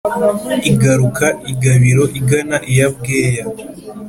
igaruka i gabiro igana iya bweya